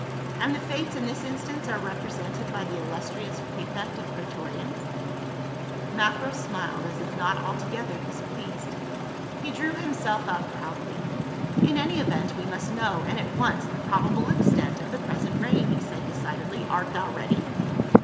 "And the Fates in this instance are represented by the illustrious prefect of praetorians ?" Macro smiled as if not altogether displeased. He drew himself up proudly. " In any event we must know, and at once, the probable extent of the present reign," he said decidedly. "Art thou ready?"